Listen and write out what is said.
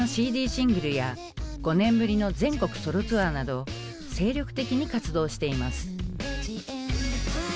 シングルや５年ぶりの全国ソロツアーなど精力的に活動しています。